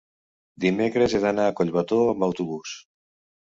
dimecres he d'anar a Collbató amb autobús.